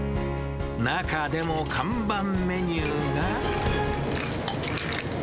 中でも看板メニューが。